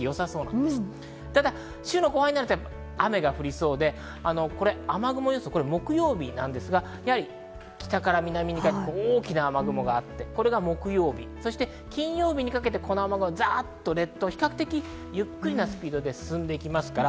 ただ週の後半になると雨が降りそうで、雨雲予想、木曜日なんですが、北から南にかけて大きな雨雲があって、これが木曜日、そして金曜日にかけて、雨雲が列島、比較的ゆっくりなスピードで進んでいきます。